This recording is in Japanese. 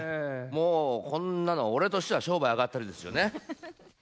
もうこんなの、俺としては商売あがったりですよね。